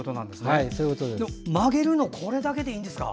曲げるのこれだけでいいんですか。